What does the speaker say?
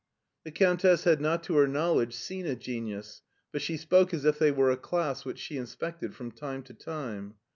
The Countess had not, to her knowledjg^e, seen a genius, but she spoke as if they were a class which she inspected from time to time.